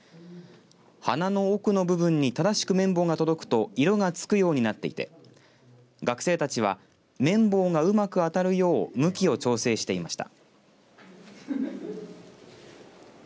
鼻の奥の部分に正しく綿棒が届くと色がつくようになっていて学生たちは綿棒がうまく当たるよう向きを調整してました。